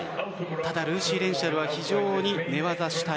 ただ、ルーシー・レンシャルは非常に寝技主体。